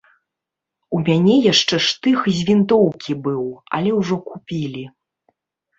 У мяне яшчэ штых з вінтоўкі быў, але ўжо купілі.